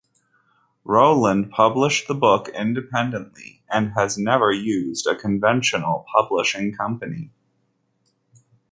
Rowland published the book independently, and has never used a conventional publishing company.